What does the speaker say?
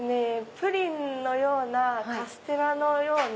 プリンのようなカステラのような。